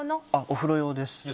お風呂用です。